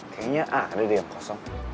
kayaknya ada deh yang kosong